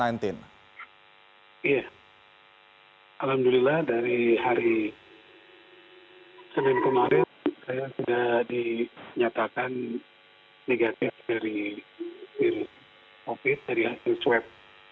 iya alhamdulillah dari hari senin kemarin saya sudah dinyatakan negatif dari virus covid dari hasil swab